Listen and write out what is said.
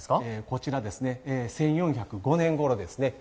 こちらですね１４０５年ごろですね